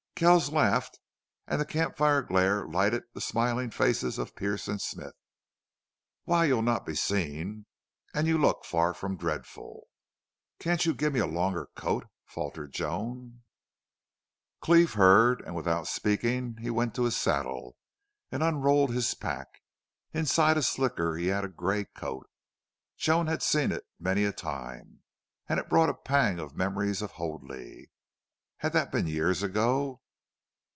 Kells laughed, and the camp fire glare lighted the smiling faces of Pearce and Smith. "Why, you'll not be seen. And you look far from dreadful." "Can't you give me a a longer coat?" faltered Joan. Cleve heard, and without speaking he went to his saddle and unrolled his pack. Inside a slicker he had a gray coat. Joan had seen it many a time, and it brought a pang with memories of Hoadley. Had that been years ago?